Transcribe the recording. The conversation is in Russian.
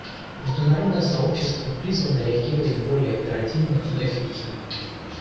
Международное сообщество призвано реагировать более оперативно и эффективно.